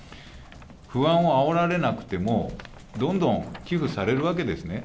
不安をあおられなくても、どんどん寄付されるわけですね。